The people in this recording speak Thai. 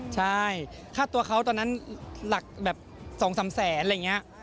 ใช่ค่าตัวเขาตอนนั้นหลักแบบ๒๓แสนอะไรอย่างนี้